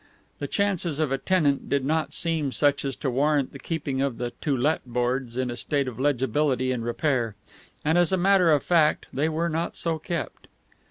The chances of a tenant did not seem such as to warrant the keeping of the "To Let" boards in a state of legibility and repair, and as a matter of fact they were not so kept.